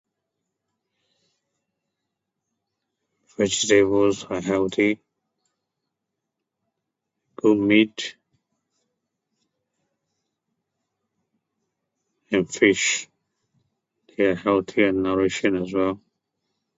vegetables are healthy good meat and fish they are healthy and nourishing as well